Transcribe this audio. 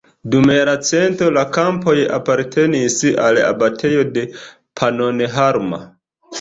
Dum jarcento la kampoj apartenis al abatejo de Pannonhalma.